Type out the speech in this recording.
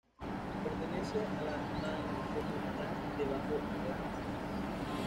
Pertenece a la mancomunidad de Bajo Arlanza